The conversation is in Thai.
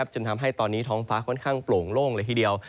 จนทำให้ตอนนี้ท้องฟ้าค่อนข้างโปร่งโล่งเลยทีเดียว